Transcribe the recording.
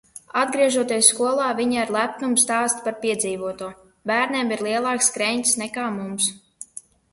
Atgriežoties skolā, viņi ar lepnumu stāsta par piedzīvoto. Bērniem ir lielāks kreņķis nekā mums.